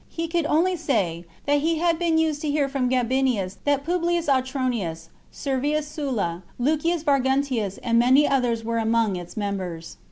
He could only say that he had been used to hear from Gabinius that Publius Autronius, Servius Sulla, Lucius Var guntius, and many others were among its members.